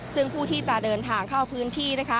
ซึ่งผู้ที่จะเดินทางเข้าพื้นที่นะคะ